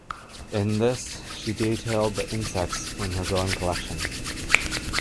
In this she detailed the insects in her growing collection.